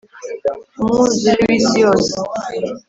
umwuzure wi si yose